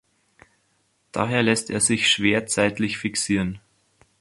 Daher lässt er sich schwer zeitlich fixieren.